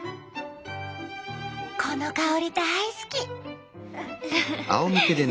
この香り大好き！